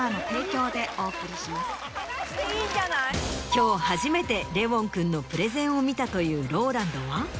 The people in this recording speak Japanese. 今日初めてレウォン君のプレゼンを見たというＲＯＬＡＮＤは？